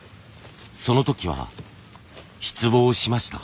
その時は失望しました。